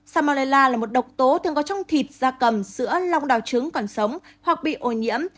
salmonella là một độc tố thường có trong thịt da cầm sữa lòng đào trứng còn sống hoặc bị ổ nhiễm